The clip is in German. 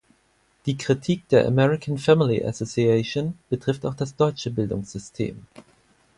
Die Kritik der American Family Association betrifft auch das deutsche Bildungssystem.